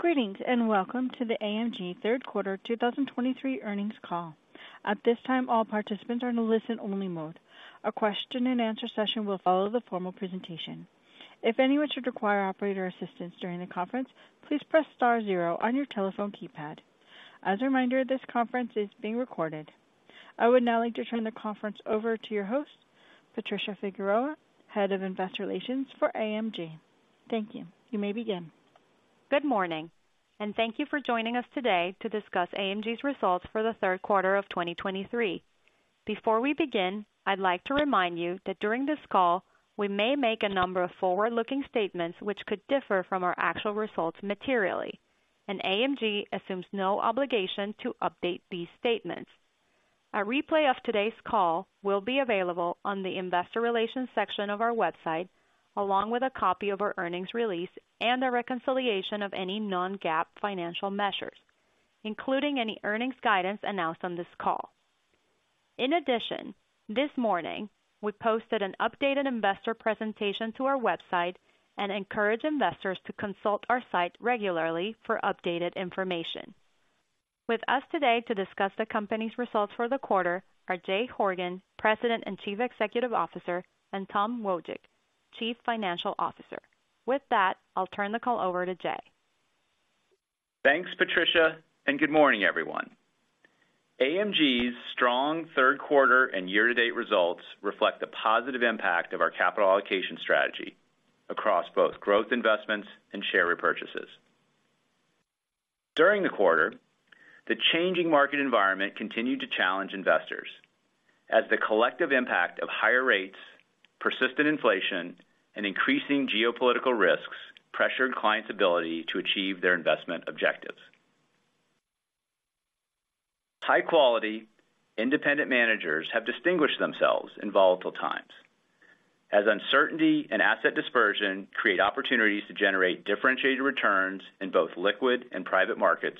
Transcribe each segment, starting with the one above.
Greetings, and welcome to the AMG Third Quarter 2023 Earnings Call. At this time, all participants are in a listen-only mode. A question and answer session will follow the formal presentation. If anyone should require operator assistance during the conference, please press star zero on your telephone keypad. As a reminder, this conference is being recorded. I would now like to turn the conference over to your host, Patricia Figueroa, Head of Investor Relations for AMG. Thank you. You may begin. Good morning, and thank you for joining us today to discuss AMG's results for the third quarter of 2023. Before we begin, I'd like to remind you that during this call, we may make a number of forward-looking statements which could differ from our actual results materially, and AMG assumes no obligation to update these statements. A replay of today's call will be available on the investor relations section of our website, along with a copy of our earnings release and a reconciliation of any non-GAAP financial measures, including any earnings guidance announced on this call. In addition, this morning, we posted an updated investor presentation to our website and encourage investors to consult our site regularly for updated information. With us today to discuss the company's results for the quarter are Jay Horgen, President and Chief Executive Officer, and Tom Wojcik, Chief Financial Officer. With that, I'll turn the call over to Jay. Thanks, Patricia, and good morning, everyone. AMG's strong third quarter and year-to-date results reflect the positive impact of our capital allocation strategy across both growth investments and share repurchases. During the quarter, the changing market environment continued to challenge investors as the collective impact of higher rates, persistent inflation, and increasing geopolitical risks pressured clients' ability to achieve their investment objectives. High-quality, independent managers have distinguished themselves in volatile times as uncertainty and asset dispersion create opportunities to generate differentiated returns in both liquid and private markets,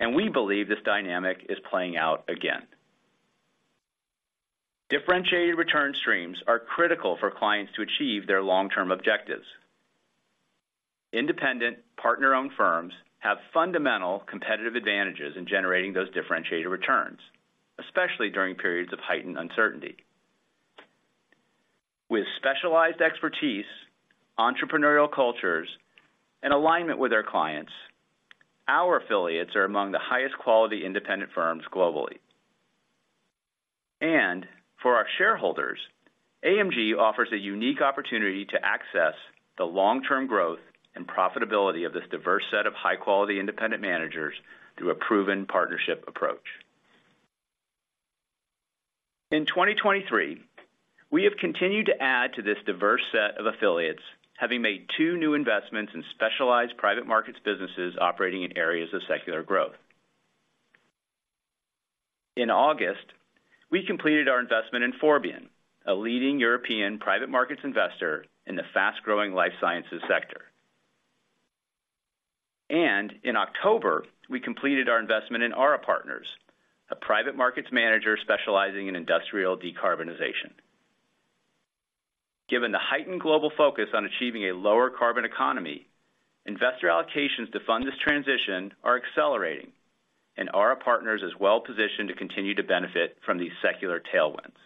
and we believe this dynamic is playing out again. Differentiated return streams are critical for clients to achieve their long-term objectives. Independent, partner-owned firms have fundamental competitive advantages in generating those differentiated returns, especially during periods of heightened uncertainty. With specialized expertise, entrepreneurial cultures, and alignment with our clients, our affiliates are among the highest quality independent firms globally. For our shareholders, AMG offers a unique opportunity to access the long-term growth and profitability of this diverse set of high-quality independent managers through a proven partnership approach. In 2023, we have continued to add to this diverse set of affiliates, having made two new investments in specialized private markets businesses operating in areas of secular growth. In August, we completed our investment in Forbion, a leading European private markets investor in the fast-growing life sciences sector. In October, we completed our investment in Ara Partners, a private markets manager specializing in industrial decarbonization. Given the heightened global focus on achieving a lower carbon economy, investor allocations to fund this transition are accelerating, and Ara Partners is well positioned to continue to benefit from these secular tailwinds.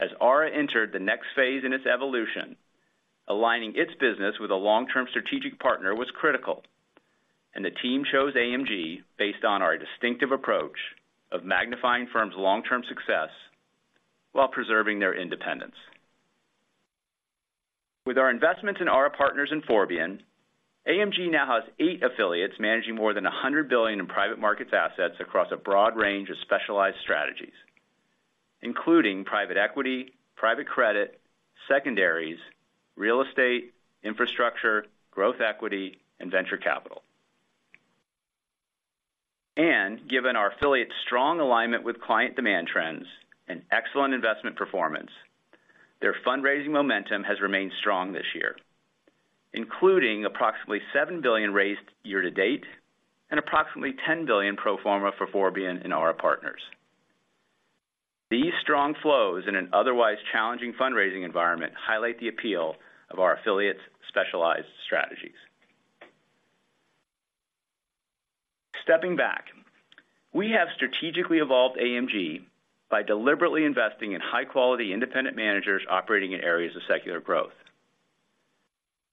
As Ara entered the next phase in its evolution, aligning its business with a long-term strategic partner was critical, and the team chose AMG based on our distinctive approach of magnifying firms' long-term success while preserving their independence. With our investment in Ara Partners and Forbion, AMG now has eight affiliates managing more than $100 billion in private markets assets across a broad range of specialized strategies, including private equity, private credit, secondaries, real estate, infrastructure, growth equity, and venture capital. Given our affiliates' strong alignment with client demand trends and excellent investment performance, their fundraising momentum has remained strong this year, including approximately $7 billion raised year to date and approximately $10 billion pro forma for Forbion and Ara Partners. These strong flows in an otherwise challenging fundraising environment highlight the appeal of our affiliates' specialized strategies. Stepping back, we have strategically evolved AMG by deliberately investing in high-quality independent managers operating in areas of secular growth.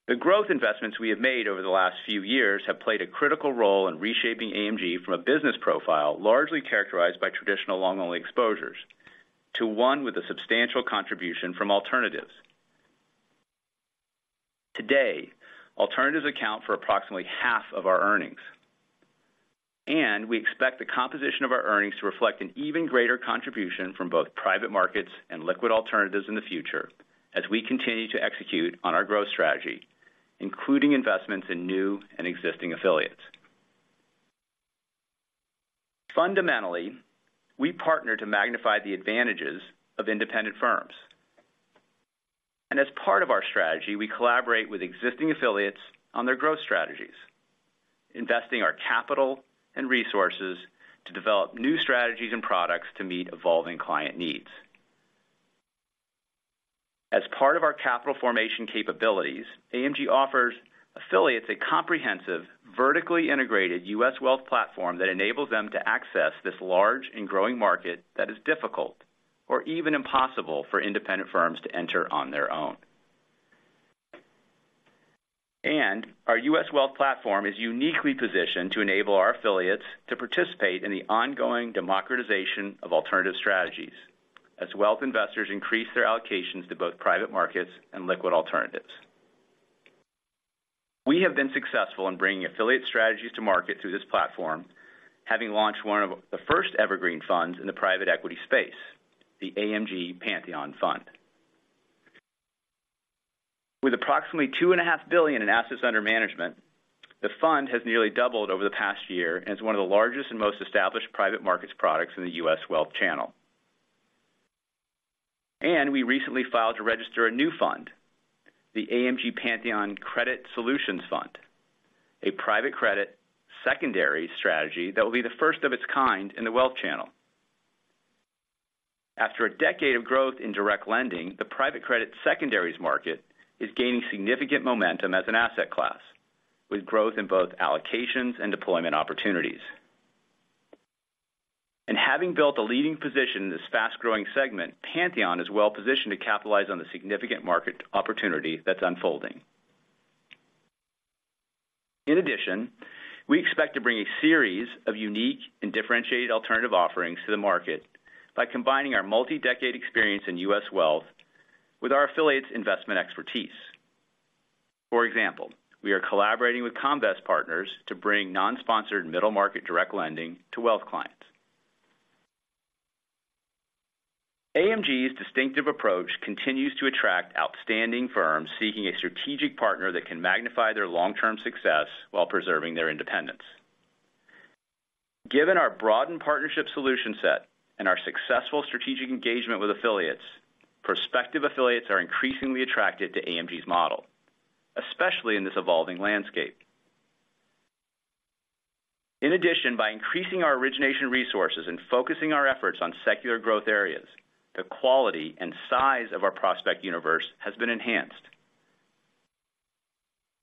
The growth investments we have made over the last few years have played a critical role in reshaping AMG from a business profile, largely characterized by traditional long-only exposures, to one with a substantial contribution from alternatives. Today, alternatives account for approximately half of our earnings, and we expect the composition of our earnings to reflect an even greater contribution from both private markets and liquid alternatives in the future as we continue to execute on our growth strategy, including investments in new and existing affiliates. Fundamentally, we partner to magnify the advantages of independent firms. As part of our strategy, we collaborate with existing affiliates on their growth strategies, investing our capital and resources to develop new strategies and products to meet evolving client needs.... As part of our capital formation capabilities, AMG offers affiliates a comprehensive, vertically integrated U.S. wealth platform that enables them to access this large and growing market that is difficult or even impossible for independent firms to enter on their own. Our U.S. wealth platform is uniquely positioned to enable our affiliates to participate in the ongoing democratization of alternative strategies, as wealth investors increase their allocations to both private markets and liquid alternatives. We have been successful in bringing affiliate strategies to market through this platform, having launched one of the first evergreen funds in the private equity space, the AMG Pantheon Fund. With approximately $2.5 billion in assets under management, the fund has nearly doubled over the past year and is one of the largest and most established private markets products in the U.S. wealth channel. We recently filed to register a new fund, the AMG Pantheon Credit Solutions Fund, a private credit secondary strategy that will be the first of its kind in the wealth channel. After a decade of growth in direct lending, the private credit secondaries market is gaining significant momentum as an asset class, with growth in both allocations and deployment opportunities. Having built a leading position in this fast-growing segment, Pantheon is well positioned to capitalize on the significant market opportunity that's unfolding. In addition, we expect to bring a series of unique and differentiated alternative offerings to the market by combining our multi-decade experience in U.S. wealth with our affiliates' investment expertise. For example, we are collaborating with Comvest Partners to bring non-sponsored middle market direct lending to wealth clients. AMG's distinctive approach continues to attract outstanding firms seeking a strategic partner that can magnify their long-term success while preserving their independence. Given our broadened partnership solution set and our successful strategic engagement with affiliates, prospective affiliates are increasingly attracted to AMG's model, especially in this evolving landscape. In addition, by increasing our origination resources and focusing our efforts on secular growth areas, the quality and size of our prospect universe has been enhanced.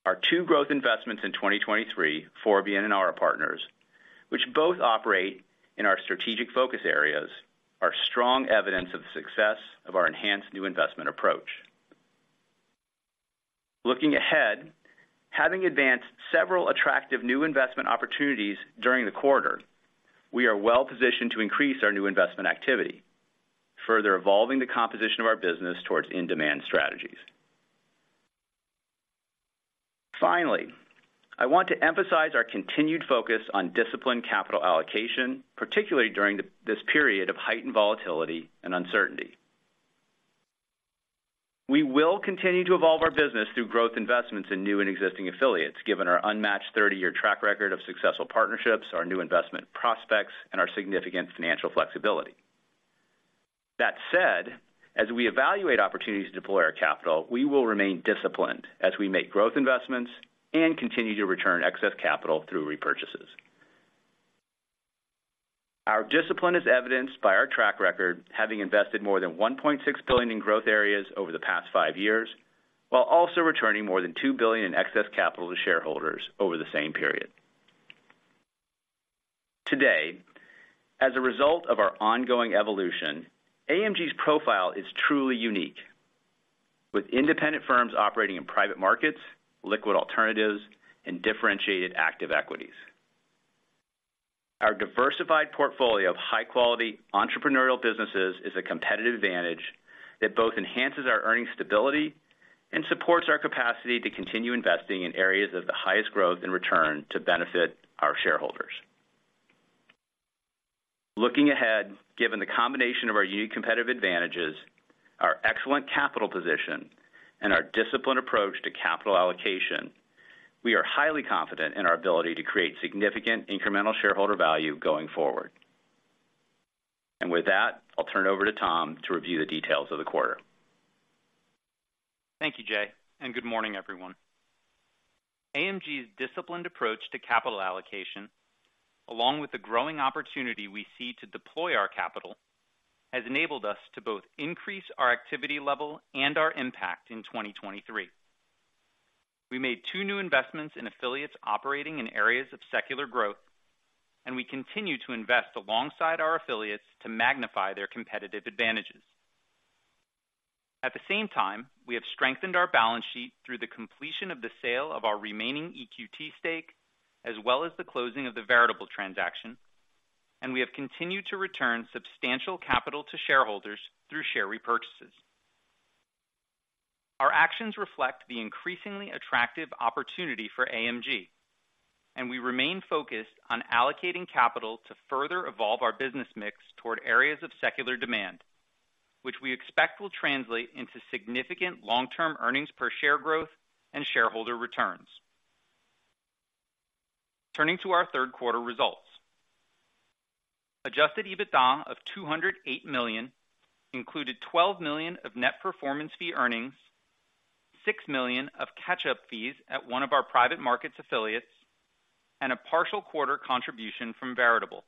Our two growth investments in 2023, Forbion and Ara Partners, which both operate in our strategic focus areas, are strong evidence of the success of our enhanced new investment approach. Looking ahead, having advanced several attractive new investment opportunities during the quarter, we are well positioned to increase our new investment activity, further evolving the composition of our business towards in-demand strategies. Finally, I want to emphasize our continued focus on disciplined capital allocation, particularly during this period of heightened volatility and uncertainty. We will continue to evolve our business through growth investments in new and existing affiliates, given our unmatched 30-year track record of successful partnerships, our new investment prospects, and our significant financial flexibility. That said, as we evaluate opportunities to deploy our capital, we will remain disciplined as we make growth investments and continue to return excess capital through repurchases. Our discipline is evidenced by our track record, having invested more than $1.6 billion in growth areas over the past five years, while also returning more than $2 billion in excess capital to shareholders over the same period. Today, as a result of our ongoing evolution, AMG's profile is truly unique, with independent firms operating in private markets, liquid alternatives, and differentiated active equities. Our diversified portfolio of high-quality entrepreneurial businesses is a competitive advantage that both enhances our earnings stability and supports our capacity to continue investing in areas of the highest growth and return to benefit our shareholders. Looking ahead, given the combination of our unique competitive advantages, our excellent capital position, and our disciplined approach to capital allocation, we are highly confident in our ability to create significant incremental shareholder value going forward. With that, I'll turn it over to Tom to review the details of the quarter. Thank you, Jay, and good morning, everyone. AMG's disciplined approach to capital allocation, along with the growing opportunity we see to deploy our capital, has enabled us to both increase our activity level and our impact in 2023. We made two new investments in affiliates operating in areas of secular growth, and we continue to invest alongside our affiliates to magnify their competitive advantages. At the same time, we have strengthened our balance sheet through the completion of the sale of our remaining EQT stake, as well as the closing of the Veritable transaction, and we have continued to return substantial capital to shareholders through share repurchases. Our actions reflect the increasingly attractive opportunity for AMG, and we remain focused on allocating capital to further evolve our business mix toward areas of secular demand, which we expect will translate into significant long-term earnings per share growth and shareholder returns. Turning to our third quarter results. Adjusted EBITDA of $208 million included $12 million of net performance fee earnings, $6 million of catch-up fees at one of our private markets affiliates, and a partial quarter contribution from Veritable.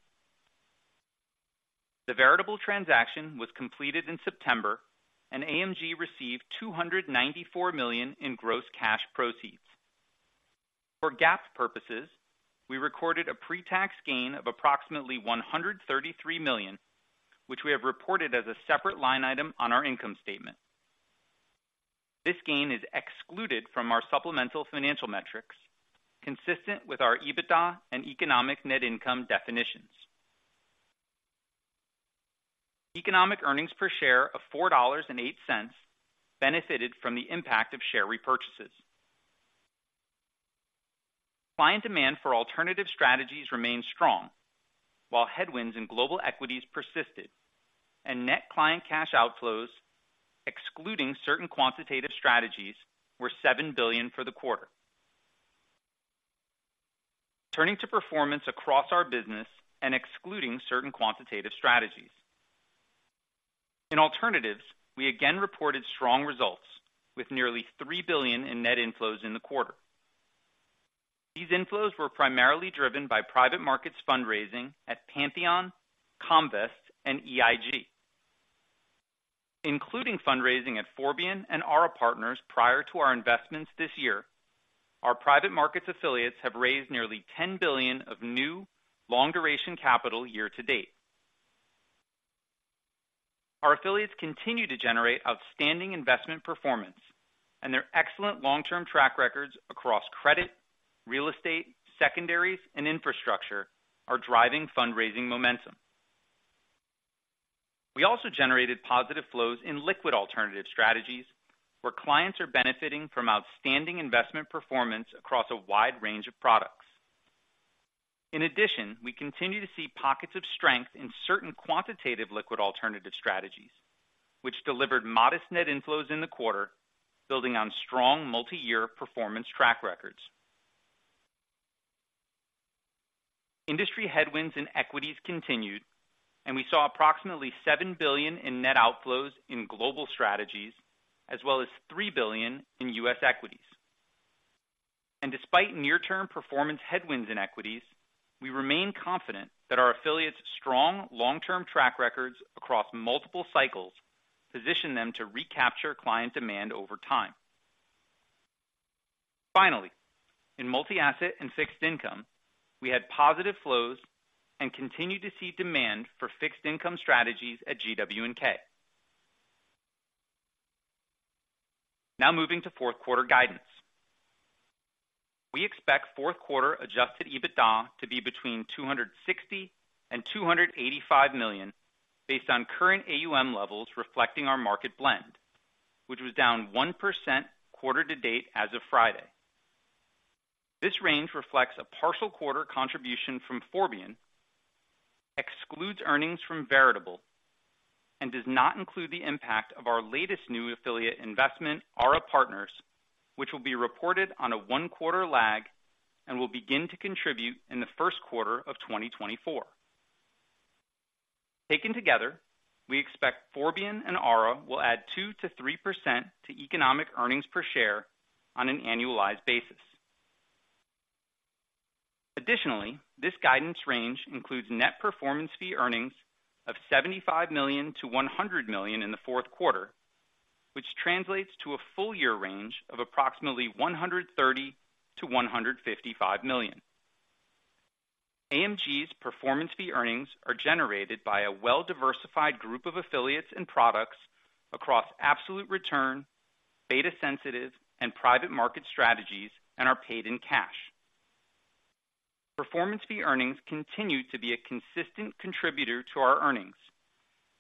The Veritable transaction was completed in September, and AMG received $294 million in gross cash proceeds. For GAAP purposes, we recorded a pre-tax gain of approximately $133 million, which we have reported as a separate line item on our income statement. This gain is excluded from our supplemental financial metrics, consistent with our EBITDA and economic net income definitions. Economic earnings per share of $4.08 benefited from the impact of share repurchases. Client demand for alternative strategies remained strong, while headwinds in global equities persisted, and net client cash outflows, excluding certain quantitative strategies, were $7 billion for the quarter. Turning to performance across our business and excluding certain quantitative strategies. In alternatives, we again reported strong results, with nearly $3 billion in net inflows in the quarter. These inflows were primarily driven by private markets fundraising at Pantheon, Comvest, and EIG. Including fundraising at Forbion and Ara Partners prior to our investments this year, our private markets affiliates have raised nearly $10 billion of new long-duration capital year to date. Our affiliates continue to generate outstanding investment performance, and their excellent long-term track records across credit, real estate, secondaries, and infrastructure are driving fundraising momentum. We also generated positive flows in liquid alternative strategies, where clients are benefiting from outstanding investment performance across a wide range of products. In addition, we continue to see pockets of strength in certain quantitative liquid alternative strategies, which delivered modest net inflows in the quarter, building on strong multi-year performance track records. Industry headwinds and equities continued, and we saw approximately $7 billion in net outflows in global strategies, as well as $3 billion in U.S. equities. Despite near-term performance headwinds in equities, we remain confident that our affiliates' strong long-term track records across multiple cycles position them to recapture client demand over time. Finally, in multi-asset and fixed income, we had positive flows and continued to see demand for fixed income strategies at GW&K. Now moving to fourth quarter guidance. We expect fourth quarter Adjusted EBITDA to be between $260 million and $285 million, based on current AUM levels, reflecting our market blend, which was down 1% quarter to date as of Friday. This range reflects a partial quarter contribution from Forbion, excludes earnings from Veritable, and does not include the impact of our latest new affiliate investment, Ara Partners, which will be reported on a one-quarter lag and will begin to contribute in the first quarter of 2024. Taken together, we expect Forbion and Ara will add 2%-3% to economic earnings per share on an annualized basis. Additionally, this guidance range includes net performance fee earnings of $75 million-$100 million in the fourth quarter, which translates to a full year range of approximately $130 million-$155 million. AMG's performance fee earnings are generated by a well-diversified group of affiliates and products across absolute return, beta sensitive, and private market strategies, and are paid in cash. Performance fee earnings continue to be a consistent contributor to our earnings,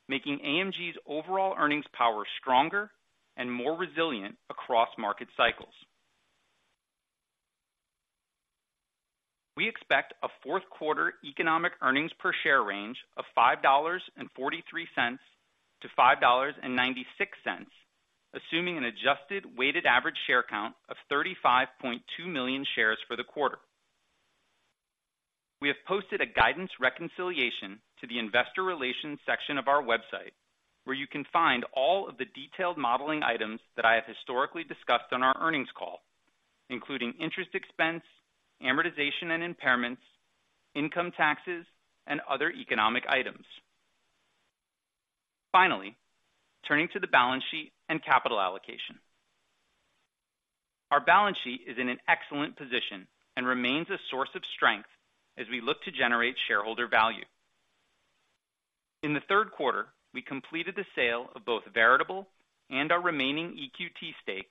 making AMG's overall earnings power stronger and more resilient across market cycles. We expect a fourth quarter economic earnings per share range of $5.43-$5.96, assuming an adjusted weighted average share count of $35.2 million shares for the quarter. We have posted a guidance reconciliation to the investor relations section of our website, where you can find all of the detailed modeling items that I have historically discussed on our earnings call, including interest expense, amortization and impairments, income taxes, and other economic items. Finally, turning to the balance sheet and capital allocation. Our balance sheet is in an excellent position and remains a source of strength as we look to generate shareholder value. In the third quarter, we completed the sale of both Veritable and our remaining EQT stake,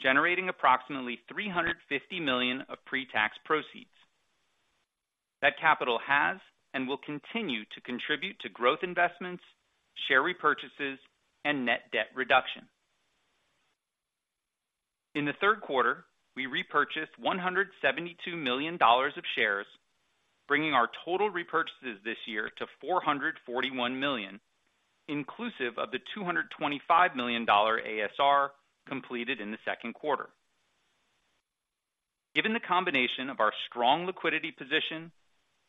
generating approximately $350 million of pre-tax proceeds. That capital has and will continue to contribute to growth investments, share repurchases, and net debt reduction. In the third quarter, we repurchased $172 million of shares, bringing our total repurchases this year to $441 million, inclusive of the $225 million ASR completed in the second quarter. Given the combination of our strong liquidity position,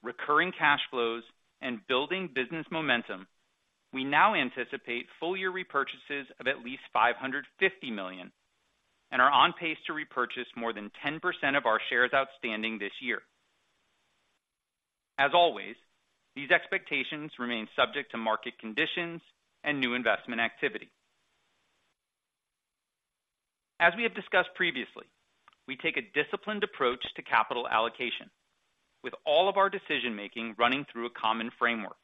recurring cash flows, and building business momentum. We now anticipate full year repurchases of at least $550 million, and are on pace to repurchase more than 10% of our shares outstanding this year. As always, these expectations remain subject to market conditions and new investment activity. As we have discussed previously, we take a disciplined approach to capital allocation, with all of our decision-making running through a common framework,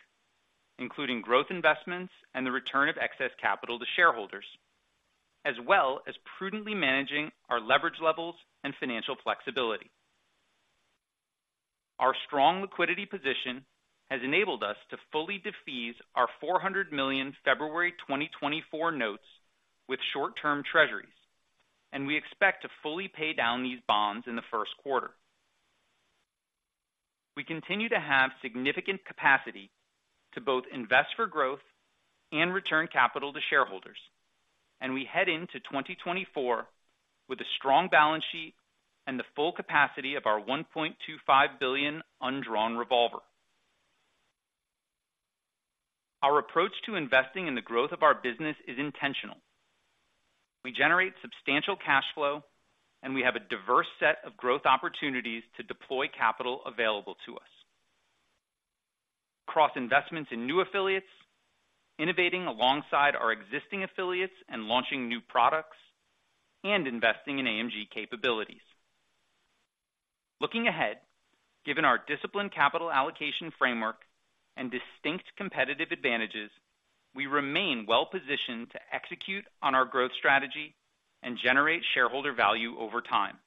including growth investments and the return of excess capital to shareholders, as well as prudently managing our leverage levels and financial flexibility. Our strong liquidity position has enabled us to fully defease our $400 million February 2024 notes with short-term Treasuries, and we expect to fully pay down these bonds in the first quarter. We continue to have significant capacity to both invest for growth and return capital to shareholders, and we head into 2024 with a strong balance sheet and the full capacity of our $1.25 billion undrawn revolver. Our approach to investing in the growth of our business is intentional. We generate substantial cash flow, and we have a diverse set of growth opportunities to deploy capital available to us. Cross investments in new affiliates, innovating alongside our existing affiliates and launching new products, and investing in AMG capabilities. Looking ahead, given our disciplined capital allocation framework and distinct competitive advantages, we remain well positioned to execute on our growth strategy and generate shareholder value over time.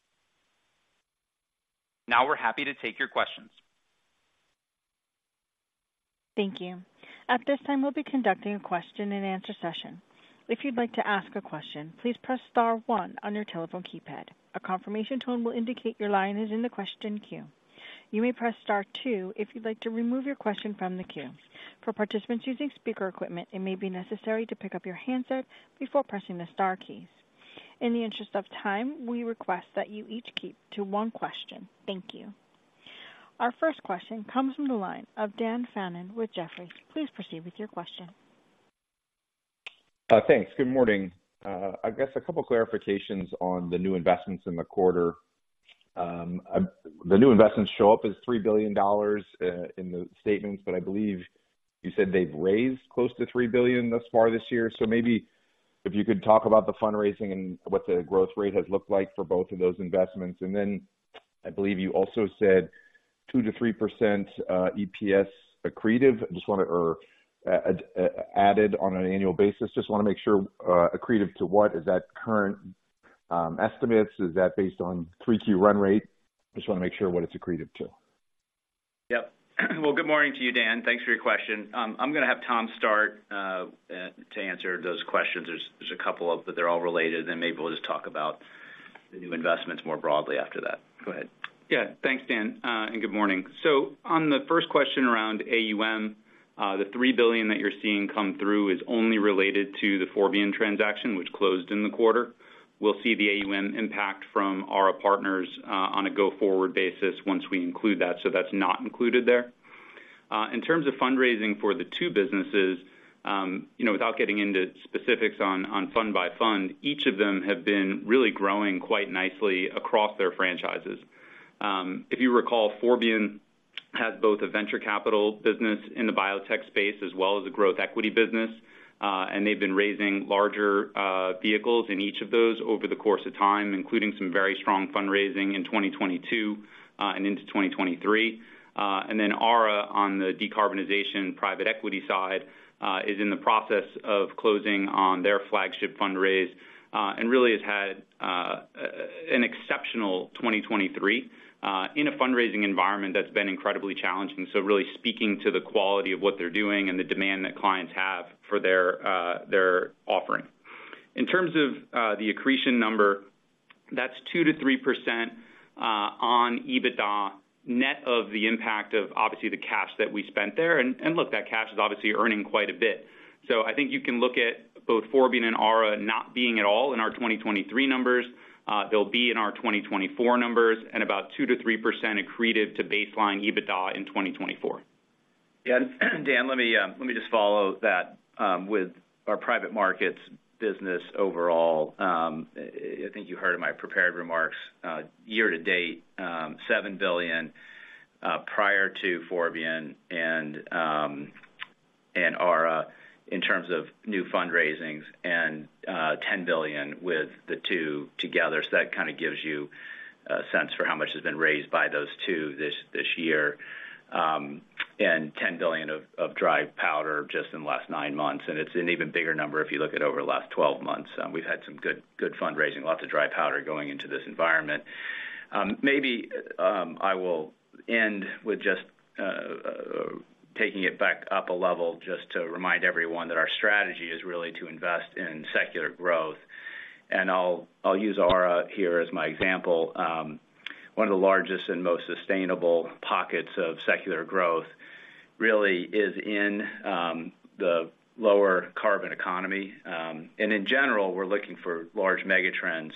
Now we're happy to take your questions. Thank you. At this time, we'll be conducting a question-and-answer session. If you'd like to ask a question, please press star one on your telephone keypad. A confirmation tone will indicate your line is in the question queue. You may press star two if you'd like to remove your question from the queue. For participants using speaker equipment, it may be necessary to pick up your handset before pressing the star keys. In the interest of time, we request that you each keep to one question. Thank you. Our first question comes from the line of Dan Fannon with Jefferies. Please proceed with your question. Thanks. Good morning. I guess a couple of clarifications on the new investments in the quarter. The new investments show up as $3 billion in the statements, but I believe you said they've raised close to $3 billion thus far this year. So maybe if you could talk about the fundraising and what the growth rate has looked like for both of those investments. Then I believe you also said 2%-3% EPS accretive. I just want to—or added on an annual basis. Just want to make sure accretive to what? Is that current estimates? Is that based on three-year run rate? Just want to make sure what it's accretive to. Yep. Well, good morning to you, Dan. Thanks for your question. I'm going to have Tom start to answer those questions. There's a couple of them, but they're all related. Then maybe we'll just talk about the new investments more broadly after that. Go ahead. Yeah. Thanks, Dan, and good morning. So on the first question around AUM, the $3 billion that you're seeing come through is only related to the Forbion transaction, which closed in the quarter. We'll see the AUM impact from Ara Partners on a go-forward basis once we include that, so that's not included there. In terms of fundraising for the two businesses, you know, without getting into specifics on fund by fund, each of them have been really growing quite nicely across their franchises. If you recall, Forbion has both a venture capital business in the biotech space as well as a growth equity business, and they've been raising larger vehicles in each of those over the course of time, including some very strong fundraising in 2022 and into 2023. And then Ara, on the decarbonization private equity side, is in the process of closing on their flagship fundraise, and really has had an exceptional 2023 in a fundraising environment that's been incredibly challenging. So really speaking to the quality of what they're doing and the demand that clients have for their offering. In terms of the accretion number, that's 2%-3% on EBITDA, net of the impact of obviously the cash that we spent there. And look, that cash is obviously earning quite a bit. So I think you can look at both Forbion and Ara not being at all in our 2023 numbers. They'll be in our 2024 numbers and about 2%-3% accretive to baseline EBITDA in 2024. Yeah, Dan, let me just follow that with our private markets business overall. I think you heard in my prepared remarks, year to date, $7 billion prior to Forbion and Ara in terms of new fundraisings and $10 billion with the two together. So that kind of gives you a sense for how much has been raised by those two this year and $10 billion of dry powder just in the last nine months. It's an even bigger number if you look at over the last 12 months. We've had some good, good fundraising, lots of dry powder going into this environment. Maybe I will end with just taking it back up a level, just to remind everyone that our strategy is really to invest in secular growth. I'll use Ara here as my example. One of the largest and most sustainable pockets of secular growth really is in the lower carbon economy. In general, we're looking for large megatrends.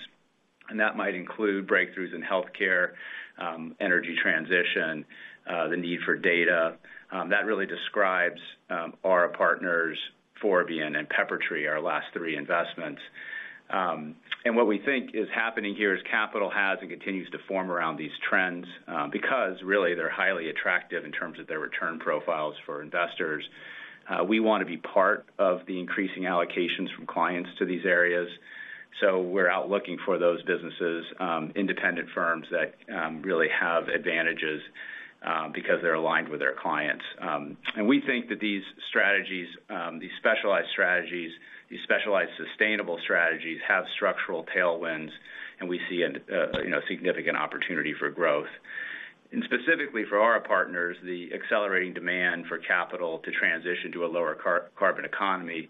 And that might include breakthroughs in healthcare, energy transition, the need for data. That really describes Ara Partners, Forbion and Peppertree, our last three investments. And what we think is happening here is capital has and continues to form around these trends, because really, they're highly attractive in terms of their return profiles for investors. We want to be part of the increasing allocations from clients to these areas, so we're out looking for those businesses, independent firms that really have advantages, because they're aligned with their clients. And we think that these strategies, these specialized strategies, these specialized sustainable strategies, have structural tailwinds, and we see a, you know, significant opportunity for growth. And specifically for Ara Partners, the accelerating demand for capital to transition to a lower carbon economy,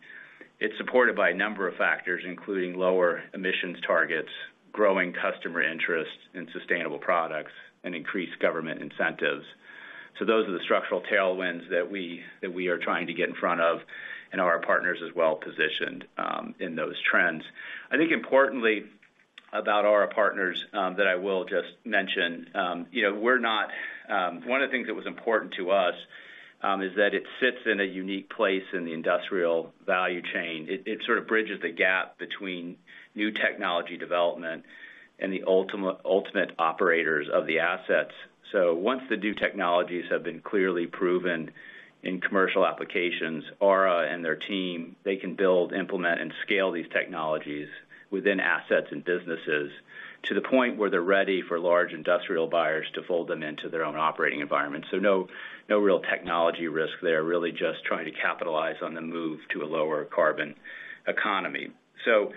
it's supported by a number of factors, including lower emissions targets, growing customer interest in sustainable products, and increased government incentives. So those are the structural tailwinds that we are trying to get in front of, and Ara Partners are well positioned in those trends. I think importantly about Ara Partners that I will just mention, you know, we're not... One of the things that was important to us is that it sits in a unique place in the industrial value chain. It sort of bridges the gap between new technology development and the ultimate operators of the assets. So once the new technologies have been clearly proven in commercial applications, Ara and their team, they can build, implement, and scale these technologies within assets and businesses, to the point where they're ready for large industrial buyers to fold them into their own operating environment. So no, no real technology risk. They are really just trying to capitalize on the move to a lower carbon economy. So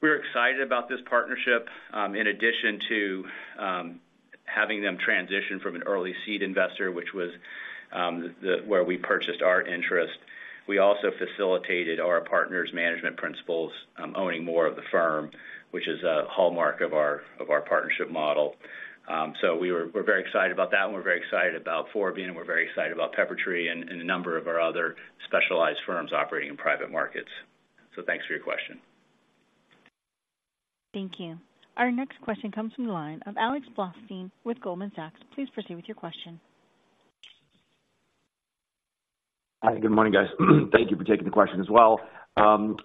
we're excited about this partnership. In addition to having them transition from an early seed investor, which was where we purchased our interest, we also facilitated Ara Partners' management principals owning more of the firm, which is a hallmark of our partnership model. We're very excited about that, and we're very excited about Forbion, and we're very excited about Peppertree and a number of our other specialized firms operating in private markets. So thanks for your question. Thank you. Our next question comes from the line of Alex Blostein with Goldman Sachs. Please proceed with your question. Hi, good morning, guys. Thank you for taking the question as well.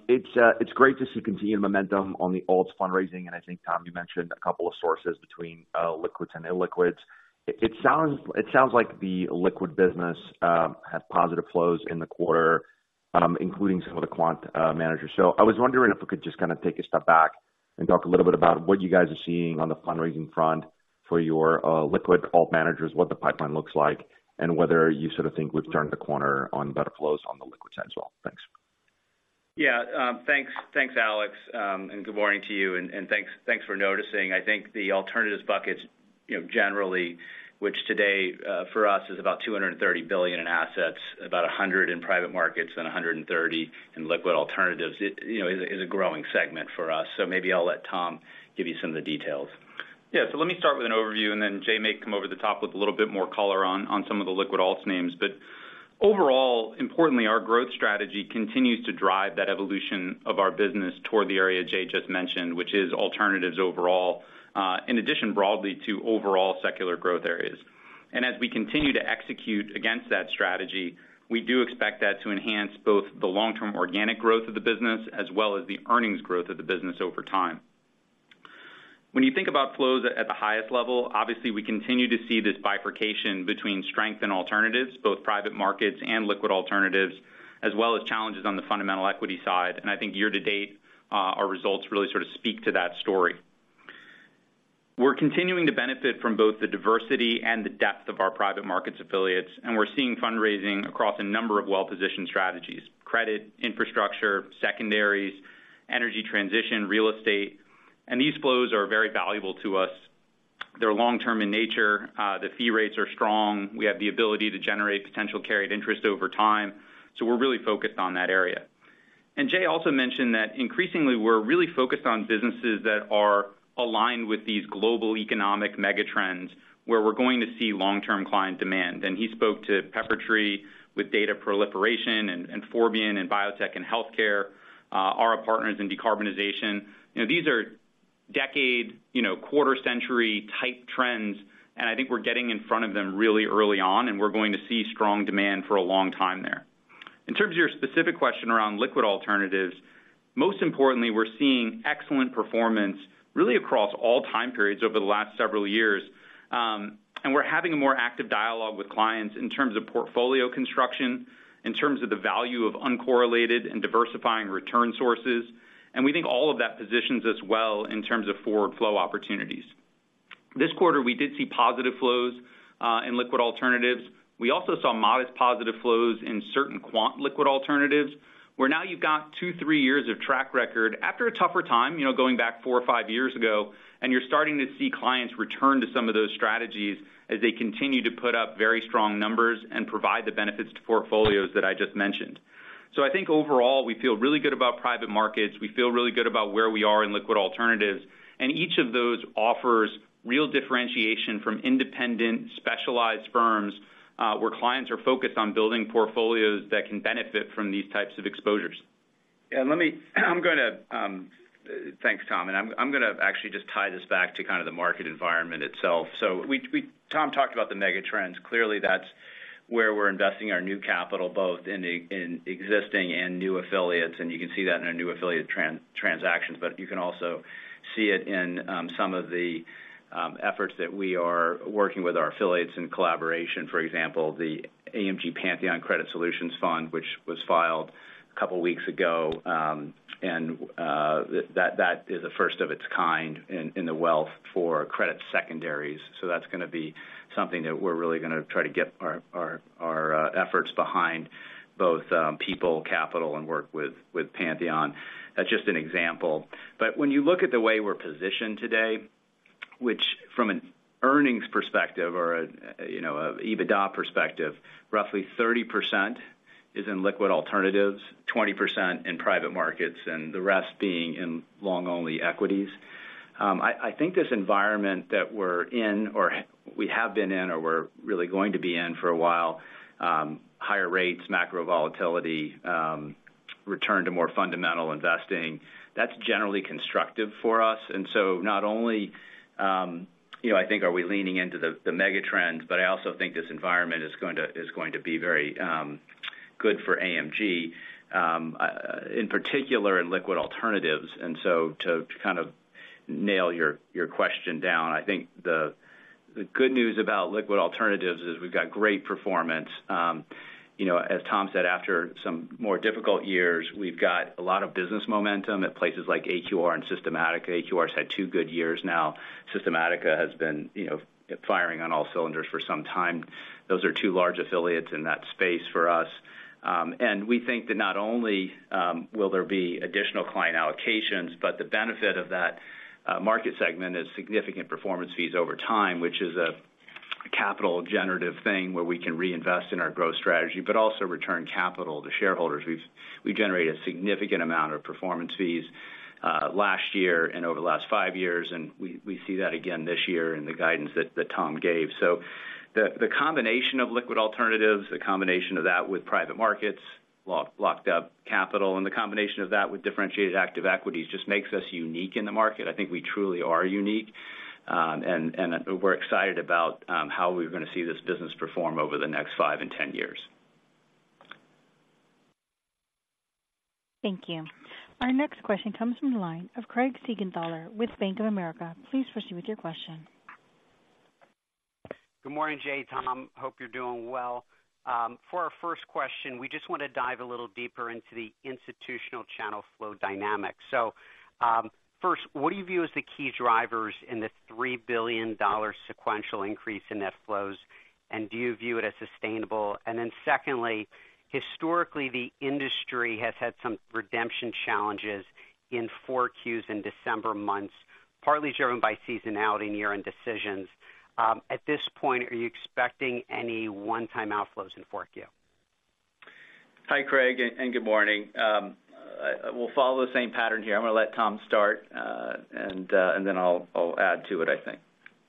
It's great to see continued momentum on the alts fundraising, and I think, Tom, you mentioned a couple of sources between liquids and illiquids. It sounds like the liquid business had positive flows in the quarter, including some of the quant managers. So I was wondering if we could just kind of take a step back and talk a little bit about what you guys are seeing on the fundraising front for your liquid alt managers, what the pipeline looks like, and whether you sort of think we've turned the corner on better flows on the liquid side as well. Thanks. Yeah. Thanks. Thanks, Alex, and good morning to you, and thanks for noticing. I think the alternatives buckets, you know, generally, which today, for us, is about $230 billion in assets, about $100 billion in private markets and $130 billion in liquid alternatives, it, you know, is a growing segment for us. So maybe I'll let Tom give you some of the details. Yeah. So let me start with an overview, and then Jay may come over the top with a little bit more color on some of the liquid alts names. But overall, importantly, our growth strategy continues to drive that evolution of our business toward the area Jay just mentioned, which is alternatives overall, in addition, broadly to overall secular growth areas. And as we continue to execute against that strategy, we do expect that to enhance both the long-term organic growth of the business, as well as the earnings growth of the business over time. When you think about flows at the highest level, obviously, we continue to see this bifurcation between strength and alternatives, both private markets and liquid alternatives, as well as challenges on the fundamental equity side. And I think year to date, our results really sort of speak to that story. We're continuing to benefit from both the diversity and the depth of our private markets affiliates, and we're seeing fundraising across a number of well-positioned strategies, credit, infrastructure, secondaries, energy transition, real estate. These flows are very valuable to us. They're long-term in nature, the fee rates are strong. We have the ability to generate potential carried interest over time, so we're really focused on that area. Jay also mentioned that increasingly we're really focused on businesses that are aligned with these global economic megatrends, where we're going to see long-term client demand. He spoke to Peppertree with data proliferation and Forbion in biotech and healthcare, Ara Partners in decarbonization. You know, these are decade, you know, quarter-century type trends, and I think we're getting in front of them really early on, and we're going to see strong demand for a long time there. In terms of your specific question around liquid alternatives, most importantly, we're seeing excellent performance really across all time periods over the last several years. And we're having a more active dialogue with clients in terms of portfolio construction, in terms of the value of uncorrelated and diversifying return sources, and we think all of that positions us well in terms of forward flow opportunities. This quarter, we did see positive flows in liquid alternatives. We also saw modest positive flows in certain quant liquid alternatives, where now you've got 2, 3 years of track record after a tougher time, you know, going back four or five years ago, and you're starting to see clients return to some of those strategies as they continue to put up very strong numbers and provide the benefits to portfolios that I just mentioned. So I think overall, we feel really good about private markets. We feel really good about where we are in liquid alternatives, and each of those offers real differentiation from independent, specialized firms... where clients are focused on building portfolios that can benefit from these types of exposures. Yeah, let me. Thanks, Tom, and I'm gonna actually just tie this back to kind of the market environment itself. So Tom talked about the megatrends. Clearly, that's where we're investing our new capital, both in the existing and new affiliates, and you can see that in our new affiliate transactions, but you can also see it in some of the efforts that we are working with our affiliates in collaboration. For example, the AMG Pantheon Credit Solutions Fund, which was filed a couple weeks ago, and that is the first of its kind in the wealth for credit secondaries. So that's gonna be something that we're really gonna try to get our efforts behind, both people, capital, and work with Pantheon. That's just an example. But when you look at the way we're positioned today, which from an earnings perspective or a, you know, EBITDA perspective, roughly 30% is in liquid alternatives, 20% in private markets, and the rest being in long-only equities. I think this environment that we're in, or we have been in, or we're really going to be in for a while, higher rates, macro volatility, return to more fundamental investing, that's generally constructive for us. And so not only, you know, I think, are we leaning into the megatrends, but I also think this environment is going to be very good for AMG, in particular in liquid alternatives. And so to kind of nail your question down, I think the good news about liquid alternatives is we've got great performance. You know, as Tom said, after some more difficult years, we've got a lot of business momentum at places like AQR and Systematica. AQR had two good years now. Systematica has been, you know, firing on all cylinders for some time. Those are two large affiliates in that space for us. And we think that not only will there be additional client allocations, but the benefit of that market segment is significant performance fees over time, which is a capital generative thing, where we can reinvest in our growth strategy, but also return capital to shareholders. We've generated a significant amount of performance fees last year and over the last five years, and we see that again this year in the guidance that Tom gave. So the combination of liquid alternatives, the combination of that with private markets, locked-up capital, and the combination of that with differentiated active equities, just makes us unique in the market. I think we truly are unique, and we're excited about how we're gonna see this business perform over the next five and 10 years. Thank you. Our next question comes from the line of Craig Siegenthaler with Bank of America. Please proceed with your question. Good morning, Jay, Tom. Hope you're doing well. For our first question, we just want to dive a little deeper into the institutional channel flow dynamics. First, what do you view as the key drivers in the $3 billion sequential increase in net flows, and do you view it as sustainable? And then secondly, historically, the industry has had some redemption challenges in Q4s in December months, partly driven by seasonality and year-end decisions. At this point, are you expecting any one-time outflows in Q4? Hi, Craig, and good morning. We'll follow the same pattern here. I'm gonna let Tom start, and then I'll add to it, I think.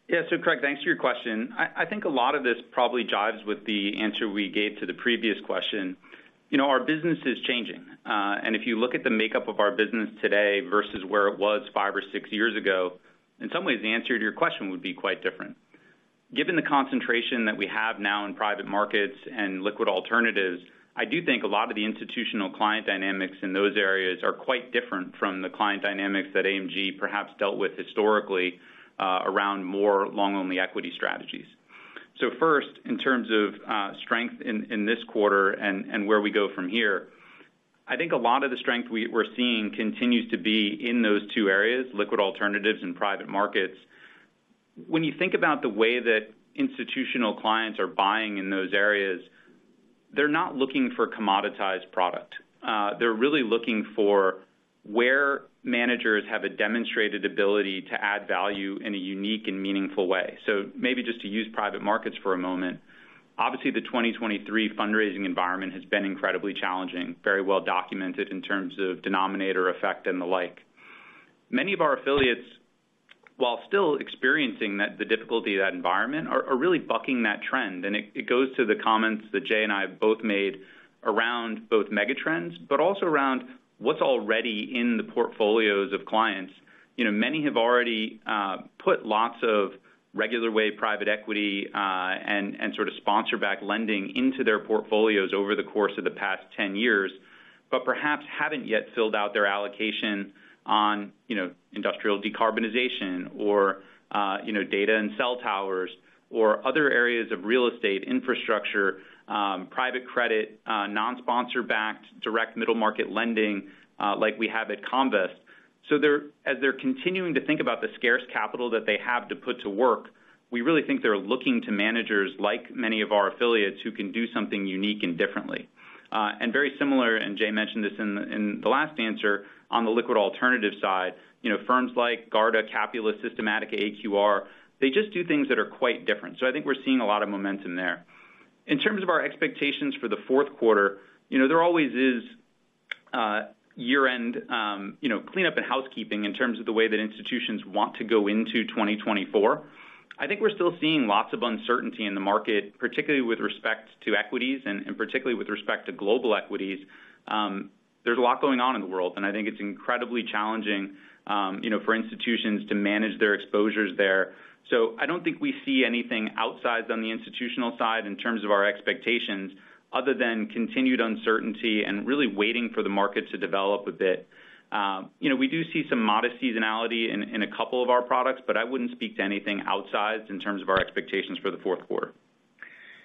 Yeah. So, Craig, thanks for your question. I think a lot of this probably jives with the answer we gave to the previous question. You know, our business is changing, and if you look at the makeup of our business today versus where it was five or six years ago, in some ways, the answer to your question would be quite different. Given the concentration that we have now in private markets and liquid alternatives, I do think a lot of the institutional client dynamics in those areas are quite different from the client dynamics that AMG perhaps dealt with historically, around more long-only equity strategies. So first, in terms of strength in this quarter and where we go from here, I think a lot of the strength we're seeing continues to be in those two areas, liquid alternatives and private markets. When you think about the way that institutional clients are buying in those areas, they're not looking for commoditized product. They're really looking for where managers have a demonstrated ability to add value in a unique and meaningful way. So maybe just to use private markets for a moment. Obviously, the 2023 fundraising environment has been incredibly challenging, very well documented in terms of denominator effect and the like. Many of our affiliates, while still experiencing that, the difficulty of that environment, are really bucking that trend. It goes to the comments that Jay and I have both made around both megatrends, but also around what's already in the portfolios of clients. You know, many have already put lots of regular way private equity, and sort of sponsor-backed lending into their portfolios over the course of the past 10 years, but perhaps haven't yet filled out their allocation on, you know, industrial decarbonization or, you know, data and cell towers or other areas of real estate infrastructure, private credit, non-sponsor backed, direct middle market lending, like we have at Comvest. So, as they're continuing to think about the scarce capital that they have to put to work, we really think they're looking to managers, like many of our affiliates, who can do something unique and differently. And very similar, and Jay mentioned this in the last answer, on the liquid alternative side, you know, firms like Garda, Capula, Systematica, AQR, they just do things that are quite different. So I think we're seeing a lot of momentum there. In terms of our expectations for the fourth quarter, you know, there always is year-end, you know, cleanup and housekeeping in terms of the way that institutions want to go into 2024. I think we're still seeing lots of uncertainty in the market, particularly with respect to equities, and, and particularly with respect to global equities. There's a lot going on in the world, and I think it's incredibly challenging, you know, for institutions to manage their exposures there. So I don't think we see anything outsized on the institutional side in terms of our expectations, other than continued uncertainty and really waiting for the market to develop a bit. You know, we do see some modest seasonality in a couple of our products, but I wouldn't speak to anything outsized in terms of our expectations for the fourth quarter.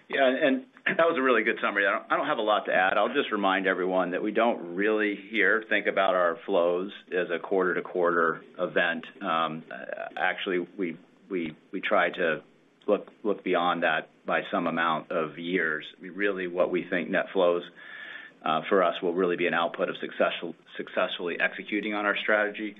Yeah, and that was a really good summary. I don't, I don't have a lot to add. I'll just remind everyone that we don't really here think about our flows as a quarter-to-quarter event. Actually, we try to look beyond that by some amount of years. We really, what we think net flows for us will really be an output of successfully executing on our strategy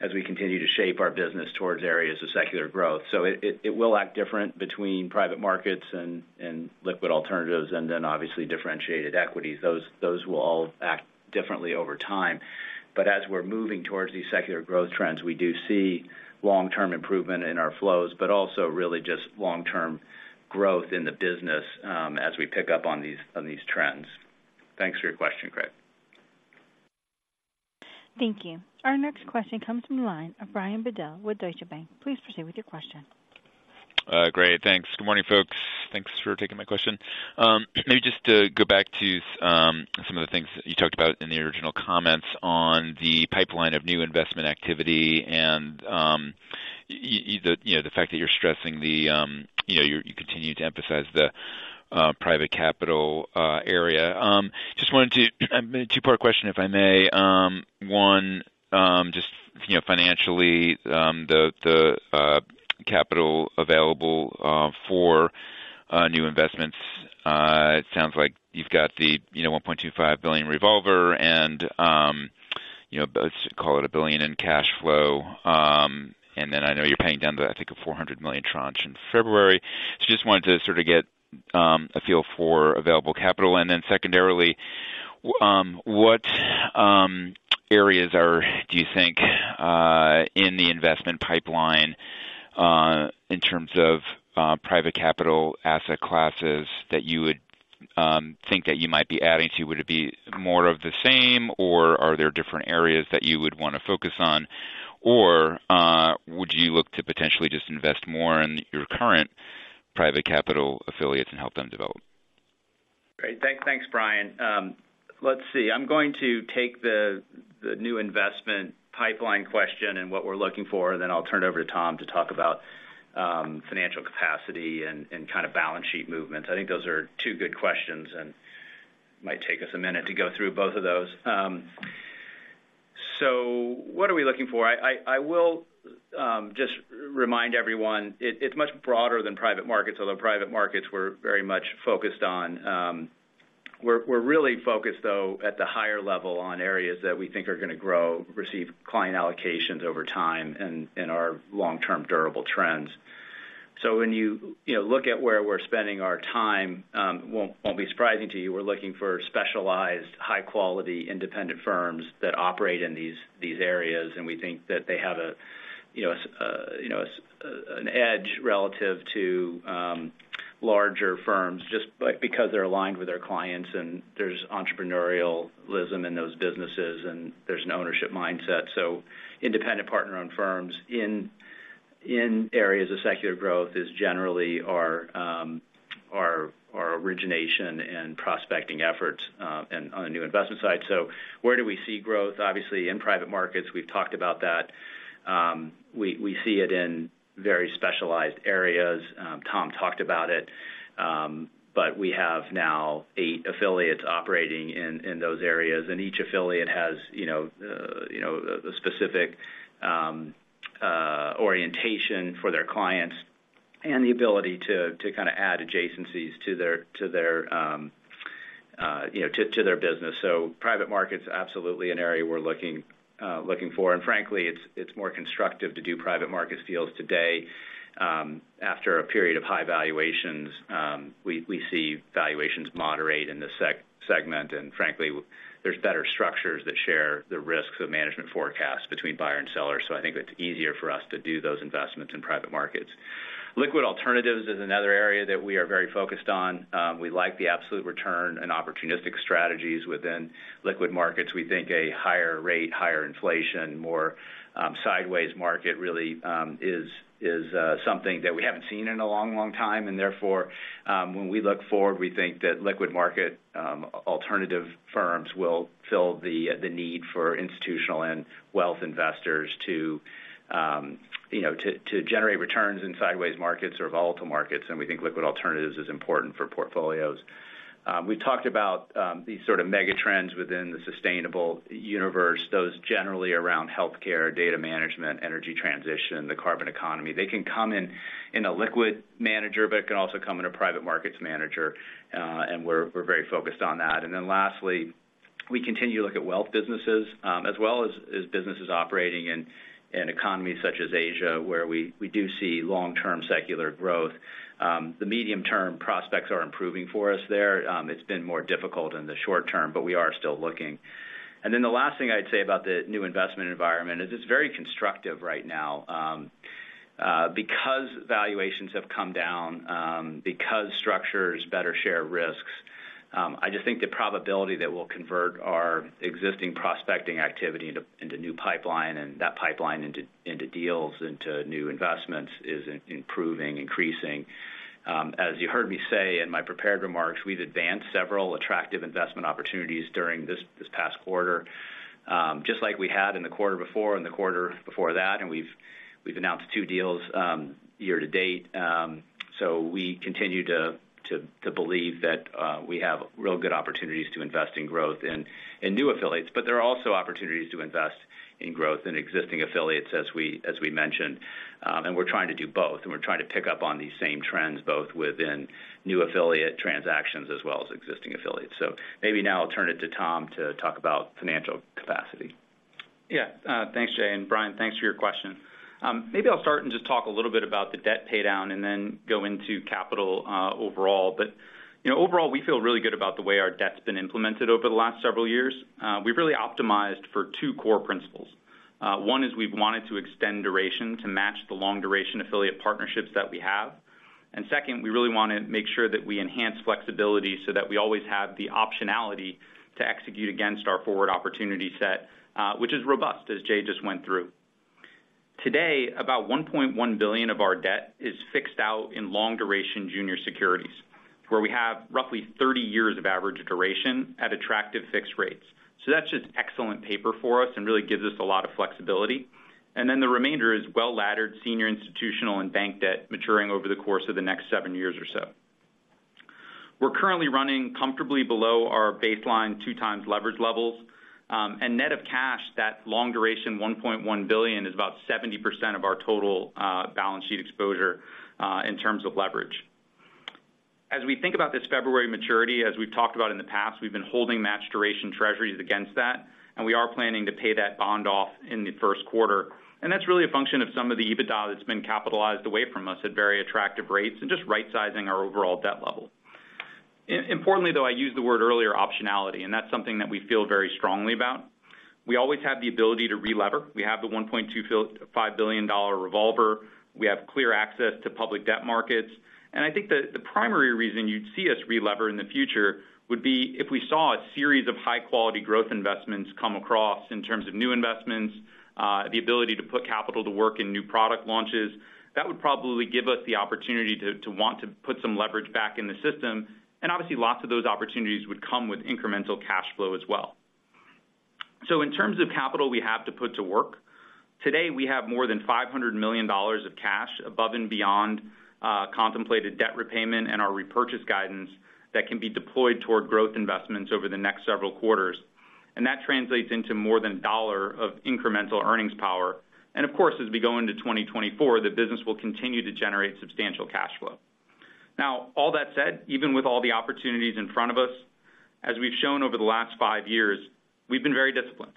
as we continue to shape our business towards areas of secular growth. So it will act different between private markets and liquid alternatives, and then obviously differentiated equities. Those will all act differently over time. But as we're moving towards these secular growth trends, we do see long-term improvement in our flows, but also really just long-term growth in the business, as we pick up on these trends. Thanks for your question, Craig. Thank you. Our next question comes from the line of Brian Bedell with Deutsche Bank. Please proceed with your question. Great. Thanks. Good morning, folks. Thanks for taking my question. Maybe just to go back to some of the things that you talked about in the original comments on the pipeline of new investment activity, and the, you know, the fact that you're stressing the, you know, you continue to emphasize the private capital area. Just wanted to... A two-part question, if I may. One, just, you know, financially, the capital available for new investments. It sounds like you've got the, you know, $1.25 billion revolver and, you know, let's call it $1 billion in cash flow. And then I know you're paying down the, I think, $400 million tranche in February. So just wanted to sort of get a feel for available capital. And then secondarily, what areas do you think are in the investment pipeline, in terms of private capital asset classes that you would think that you might be adding to? Would it be more of the same, or are there different areas that you would want to focus on? Or, would you look to potentially just invest more in your current private capital affiliates and help them develop? Great. Thanks, Brian. Let's see. I'm going to take the new investment pipeline question and what we're looking for, then I'll turn it over to Tom to talk about financial capacity and kind of balance sheet movements. I think those are two good questions, and might take us a minute to go through both of those. So what are we looking for? I will just remind everyone, it's much broader than private markets, although private markets we're very much focused on. We're really focused, though, at the higher level on areas that we think are going to grow, receive client allocations over time and are long-term durable trends. So when you know look at where we're spending our time, won't be surprising to you. We're looking for specialized, high-quality, independent firms that operate in these areas, and we think that they have a, you know, an edge relative to larger firms, just because they're aligned with their clients, and there's entrepreneurialism in those businesses, and there's an ownership mindset. So independent partner-owned firms in areas of secular growth is generally our origination and prospecting efforts, and on the new investment side. So where do we see growth? Obviously, in private markets, we've talked about that. We see it in very specialized areas. Tom talked about it. But we have now eight affiliates operating in those areas, and each affiliate has, you know, you know, a specific orientation for their clients and the ability to kind of add adjacencies to their business. So private markets, absolutely an area we're looking for. And frankly, it's more constructive to do private markets deals today. After a period of high valuations, we see valuations moderate in this segment, and frankly, there's better structures that share the risks of management forecasts between buyer and seller. So I think it's easier for us to do those investments in private markets. Liquid alternatives is another area that we are very focused on. We like the absolute return and opportunistic strategies within liquid markets. We think a higher rate, higher inflation, more sideways market really is something that we haven't seen in a long, long time. And therefore, when we look forward, we think that liquid alternative firms will fill the need for institutional and wealth investors to you know to generate returns in sideways markets or volatile markets, and we think liquid alternatives is important for portfolios. We talked about these sort of megatrends within the sustainable universe, those generally around healthcare, data management, energy transition, the carbon economy. They can come in a liquid manager, but it can also come in a private markets manager, and we're very focused on that. And then lastly, we continue to look at wealth businesses, as well as, as businesses operating in, in economies such as Asia, where we, we do see long-term secular growth. The medium-term prospects are improving for us there. It's been more difficult in the short term, but we are still looking.... And then the last thing I'd say about the new investment environment is it's very constructive right now. Because valuations have come down, because structures better share risks, I just think the probability that we'll convert our existing prospecting activity into, into new pipeline and that pipeline into, into deals, into new investments, is improving, increasing. As you heard me say in my prepared remarks, we've advanced several attractive investment opportunities during this past quarter, just like we had in the quarter before and the quarter before that, and we've announced two deals year to date. So we continue to believe that we have real good opportunities to invest in growth in new affiliates. But there are also opportunities to invest in growth in existing affiliates, as we mentioned, and we're trying to do both, and we're trying to pick up on these same trends, both within new affiliate transactions as well as existing affiliates. So maybe now I'll turn it to Tom to talk about financial capacity. Yeah. Thanks, Jay, and Brian, thanks for your question. Maybe I'll start and just talk a little bit about the debt paydown and then go into capital, overall. But, you know, overall, we feel really good about the way our debt's been implemented over the last several years. We've really optimized for two core principles. One is we've wanted to extend duration to match the long duration affiliate partnerships that we have. And second, we really want to make sure that we enhance flexibility so that we always have the optionality to execute against our forward opportunity set, which is robust, as Jay just went through. Today, about $1.1 billion of our debt is fixed out in long-duration junior securities, where we have roughly 30 years of average duration at attractive fixed rates. So that's just excellent paper for us and really gives us a lot of flexibility. And then the remainder is well-laddered senior institutional and bank debt maturing over the course of the next 7 years or so. We're currently running comfortably below our baseline 2x leverage levels. And net of cash, that long duration, $1.1 billion, is about 70% of our total balance sheet exposure in terms of leverage. As we think about this February maturity, as we've talked about in the past, we've been holding matched duration Treasuries against that, and we are planning to pay that bond off in the first quarter. And that's really a function of some of the EBITDA that's been capitalized away from us at very attractive rates and just right-sizing our overall debt level. Importantly, though, I used the word earlier, optionality, and that's something that we feel very strongly about. We always have the ability to relever. We have the $1.25 billion revolver. We have clear access to public debt markets. And I think the primary reason you'd see us relever in the future would be if we saw a series of high-quality growth investments come across in terms of new investments, the ability to put capital to work in new product launches. That would probably give us the opportunity to want to put some leverage back in the system, and obviously, lots of those opportunities would come with incremental cash flow as well. So in terms of capital we have to put to work, today, we have more than $500 million of cash above and beyond contemplated debt repayment and our repurchase guidance that can be deployed toward growth investments over the next several quarters. And that translates into more than $1 of incremental earnings power. And of course, as we go into 2024, the business will continue to generate substantial cash flow. Now, all that said, even with all the opportunities in front of us, as we've shown over the last five years, we've been very disciplined.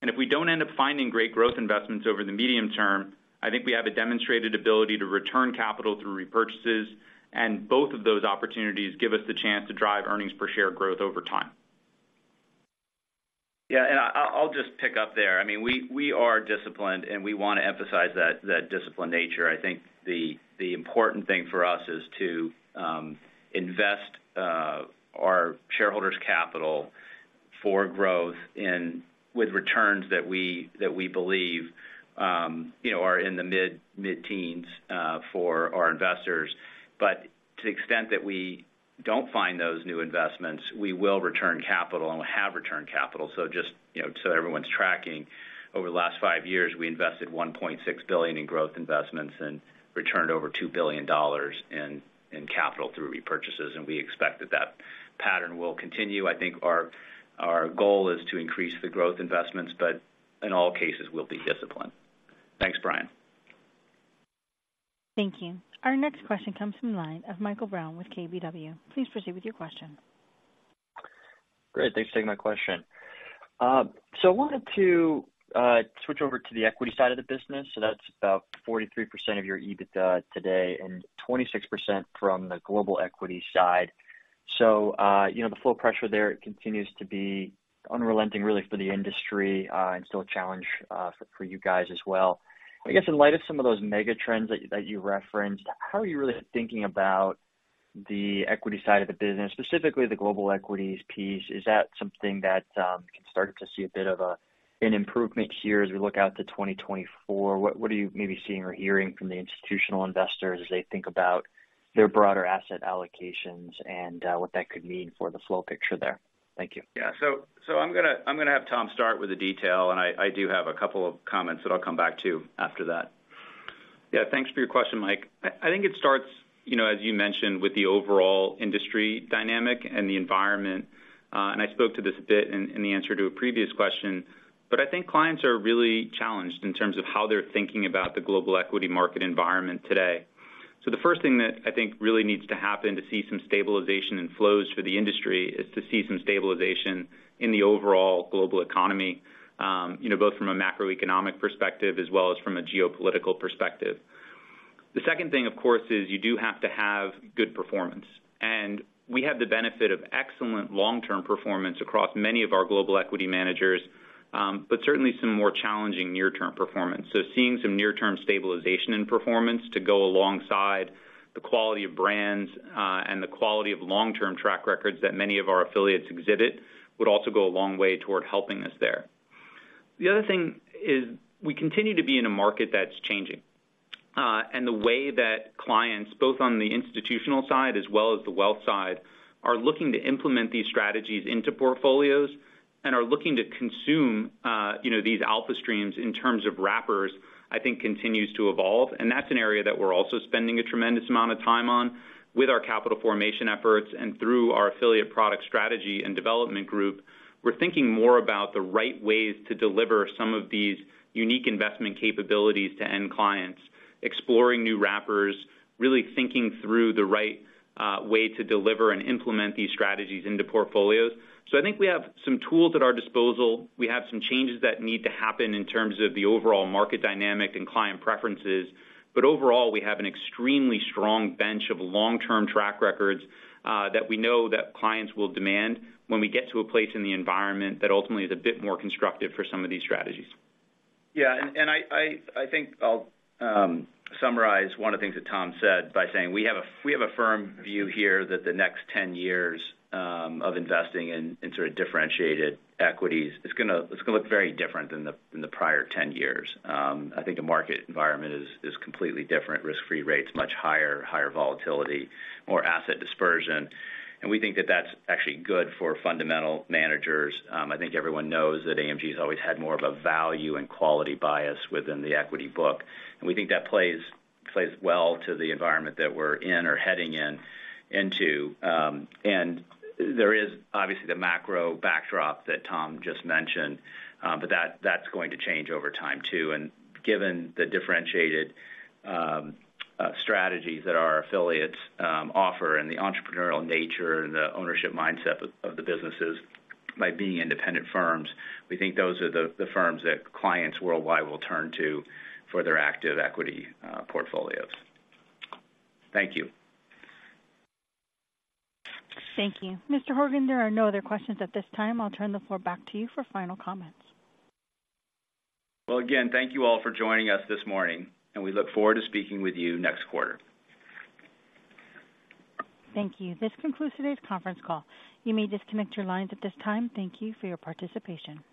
And if we don't end up finding great growth investments over the medium term, I think we have a demonstrated ability to return capital through repurchases, and both of those opportunities give us the chance to drive earnings per share growth over time. Yeah, and I'll just pick up there. I mean, we are disciplined, and we want to emphasize that disciplined nature. I think the important thing for us is to invest our shareholders' capital for growth in with returns that we believe, you know, are in the mid-teens for our investors. But to the extent that we don't find those new investments, we will return capital and have returned capital. So just, you know, so everyone's tracking, over the last five years, we invested $1.6 billion in growth investments and returned over $2 billion in capital through repurchases, and we expect that pattern will continue. I think our goal is to increase the growth investments, but in all cases, we'll be disciplined. Thanks, Brian. Thank you. Our next question comes from the line of Michael Brown with KBW. Please proceed with your question. Great. Thanks for taking my question. So I wanted to switch over to the equity side of the business. So that's about 43% of your EBITDA today and 26% from the global equity side. So, you know, the flow pressure there continues to be unrelenting, really, for the industry, and still a challenge, for you guys as well. I guess in light of some of those megatrends that you referenced, how are you really thinking about the equity side of the business, specifically the global equities piece? Is that something that can start to see a bit of an improvement here as we look out to 2024? What, what are you maybe seeing or hearing from the institutional investors as they think about their broader asset allocations and, what that could mean for the flow picture there? Thank you. Yeah. So I'm going to have Tom start with the detail, and I do have a couple of comments that I'll come back to after that. Yeah, thanks for your question, Mike. I think it starts, you know, as you mentioned, with the overall industry dynamic and the environment, and I spoke to this a bit in the answer to a previous question, but I think clients are really challenged in terms of how they're thinking about the global equity market environment today. So the first thing that I think really needs to happen to see some stabilization in flows for the industry is to see some stabilization in the overall global economy, you know, both from a macroeconomic perspective as well as from a geopolitical perspective. The second thing, of course, is you do have to have good performance, and we have the benefit of excellent long-term performance across many of our global equity managers, but certainly some more challenging near-term performance. So seeing some near-term stabilization in performance to go alongside the quality of brands, and the quality of long-term track records that many of our affiliates exhibit, would also go a long way toward helping us there. The other thing is, we continue to be in a market that's changing. And the way that clients, both on the institutional side as well as the wealth side, are looking to implement these strategies into portfolios and are looking to consume, you know, these alpha streams in terms of wrappers, I think continues to evolve, and that's an area that we're also spending a tremendous amount of time on with our capital formation efforts and through our affiliate product strategy and development group. We're thinking more about the right ways to deliver some of these unique investment capabilities to end clients, exploring new wrappers, really thinking through the right way to deliver and implement these strategies into portfolios. So I think we have some tools at our disposal. We have some changes that need to happen in terms of the overall market dynamic and client preferences. But overall, we have an extremely strong bench of long-term track records that we know that clients will demand when we get to a place in the environment that ultimately is a bit more constructive for some of these strategies. Yeah, and I think I'll summarize one of the things that Tom said by saying, we have a firm view here that the next 10 years of investing in sort of differentiated equities, it's gonna look very different than the prior 10 years. I think the market environment is completely different. Risk-free rate's much higher, higher volatility, more asset dispersion, and we think that that's actually good for fundamental managers. I think everyone knows that AMG has always had more of a value and quality bias within the equity book, and we think that plays well to the environment that we're in or heading into. And there is obviously the macro backdrop that Tom just mentioned, but that's going to change over time, too. Given the differentiated strategies that our affiliates offer and the entrepreneurial nature and the ownership mindset of the businesses by being independent firms, we think those are the firms that clients worldwide will turn to for their active equity portfolios. Thank you. Thank you. Mr. Horgen, there are no other questions at this time. I'll turn the floor back to you for final comments. Well, again, thank you all for joining us this morning, and we look forward to speaking with you next quarter. Thank you. This concludes today's conference call. You may disconnect your lines at this time. Thank you for your participation.